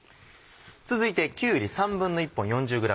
続いてきゅうり１／３本４０ｇ。